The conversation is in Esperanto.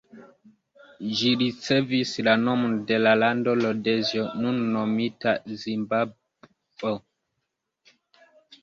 Ĝi ricevis la nomon de la lando Rodezio, nun nomita Zimbabvo.